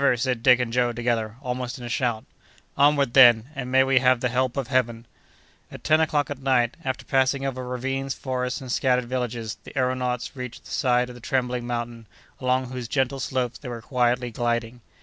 said Dick and Joe together, almost in a shout. "Onward, then, and may we have the help of Heaven!" At ten o'clock at night, after passing over ravines, forests, and scattered villages, the aëronauts reached the side of the Trembling Mountain, along whose gentle slopes they went quietly gliding.